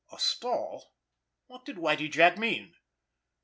A stall! What did Whitie Jack mean?